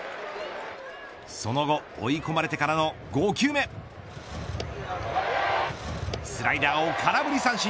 その後追い込まれてからの５球目スライダーを空振り三振。